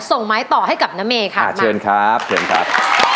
ส่งไม้ต่อให้กับน้าเมค่ะเชิญครับเชิญครับ